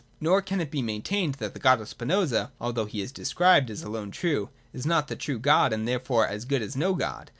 Nor can it be main tained that the God of Spinoza, although he is described as alone true, is not the true God, and therefore as good as no God.